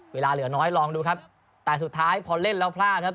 เวลาเหลือน้อยลองดูครับแต่สุดท้ายพอเล่นแล้วพลาดครับ